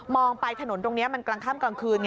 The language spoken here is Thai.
มองไปถนนตรงนี้มันกลางข้ามกลางคืน